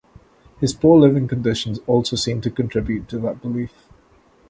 His poor living conditions also seemed to contribute to that belief.